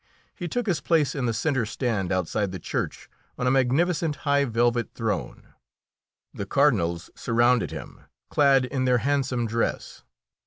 He took his place in the centre stand outside the church on a magnificent high velvet throne. The Cardinals surrounded him, clad in their handsome dress.